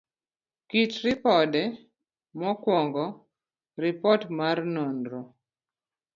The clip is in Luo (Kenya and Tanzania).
kit ripode. mokuongo, Ripot mar nonro